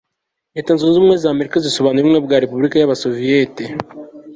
leta zunzubumwe z'amerika zisobanura ubumwe bwa repubulika y'abasoviyeti